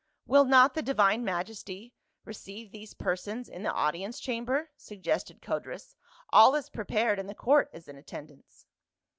" Will not the divine majesty receive these persons 160 PA UL. in the audience chamber ?" suggested Codrus. "All is prepared, and the court is in attendance."